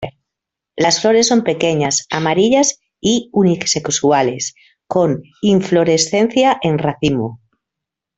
Las flores son pequeñas, amarillas y unisexuales, con inflorescencia en racimo.